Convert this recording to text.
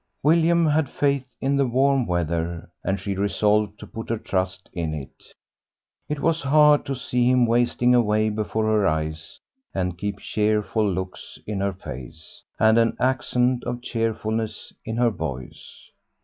William had faith in the warm weather, and she resolved to put her trust in it. It was hard to see him wasting away before her eyes and keep cheerful looks in her face and an accent of cheerfulness in heir voice.